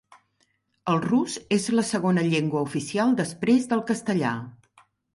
El rus és la segona llengua oficial després del castellà.